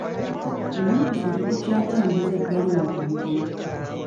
Ennaku zino tetukyatambuza bbaluwa ku bigere.